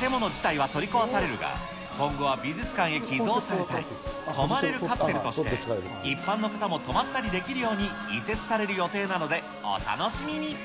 建物自体は取り壊されるが、今後は美術館へ寄贈されたり、泊まれるカプセルとして一般の方も泊まったりできるように、移設される予定なので、お楽しみに。